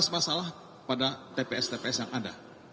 masalah pada tps tps yang ada